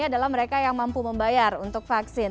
adalah mereka yang mampu membayar untuk vaksin